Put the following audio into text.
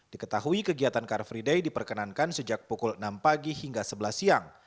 diketahui kegiatan karfreeday diperkenankan sejak pukul enam tiga puluh malam